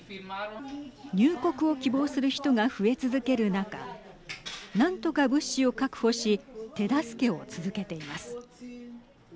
入国を希望する人が増え続ける中なんとか物資を確保し手助けを続けています。